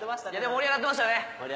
盛り上がってましたね。